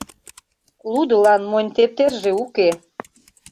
Лудылан монь тептерже уке...